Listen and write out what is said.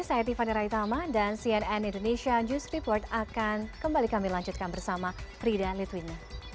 saya tiffany raitama dan cnn indonesia news report akan kembali kami lanjutkan bersama frida litwina